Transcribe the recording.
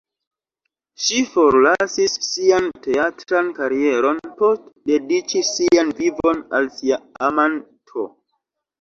Ŝi forlasis sian teatran karieron post dediĉi sian vivon al sia ama(n)to.